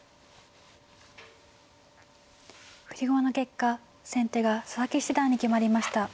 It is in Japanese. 振り駒の結果先手が佐々木七段に決まりました。